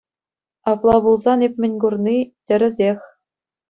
Апла пулсан эп мӗн курни – тӗрӗсех.